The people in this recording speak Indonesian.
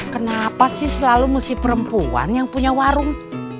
kenapa sih selalu mesti perempuan yang punya warung